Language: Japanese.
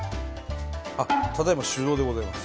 あただいま手動でございます。